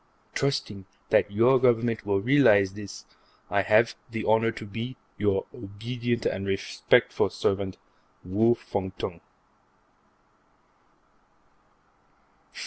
Trusting that your Government will realize this, I have the honor to be, Your obedient and respectful servant, Wu Fung Tung _From N.